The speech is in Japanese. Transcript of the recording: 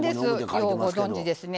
ようご存じですね。